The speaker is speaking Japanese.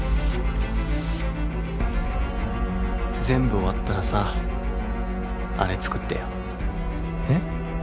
全部終わったらさあれ作ってよ。え？